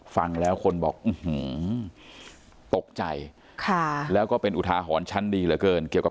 ฟังแล้วคนบอกอื้อหือตกใจ